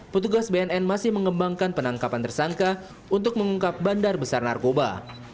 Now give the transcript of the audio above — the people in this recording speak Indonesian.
petugas bnn masih mengembangkan penangkapan tersangka untuk mengungkap bandar besar narkoba